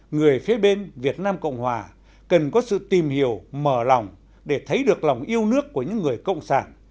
người phía bên việt nam cộng hòa cần có sự tìm hiểu mở lòng để thấy được lòng yêu nước của những người cộng sản